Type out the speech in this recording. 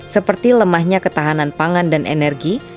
seperti lemahnya ketahanan pangan dan energi